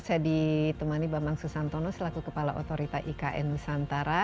saya ditemani bambang susantono selaku kepala otorita ikn nusantara